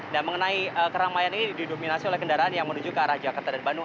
nah mengenai keramaian ini didominasi oleh kendaraan yang menuju ke arah jakarta dan bandung